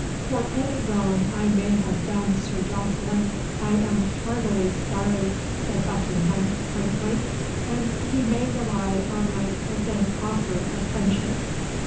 "For any wrong I may have done Sir Jocelyn I am heartily sorry," said Buckingham, frankly. "And he may rely on my present oiler of friendship."